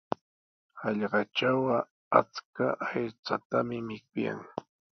Hallqatrawqa achka aychatami mikuyan.